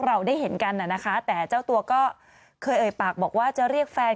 เราได้เห็นกันน่ะนะคะแต่เจ้าตัวก็เคยเอ่ยปากบอกว่าจะเรียกแฟน